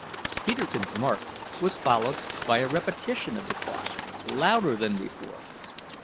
Peterkin's remark was followed by a repetition of the cry, louder than before.